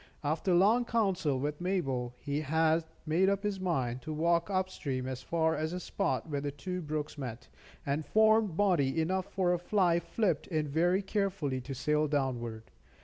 After long council with Mabel, he had made up his mind to walk up stream as far as the spot where two brooks met, and formed body enough for a fly flipped in very carefully to sail downward.